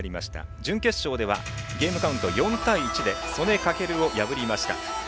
準決勝ではゲームカウント４対１で曽根翔を破りました。